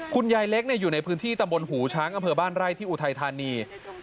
คุณยายเล็กอยู่ในพื้นที่ตำบลหูช้างอำเภอบ้านไร่ที่อุทัยธานี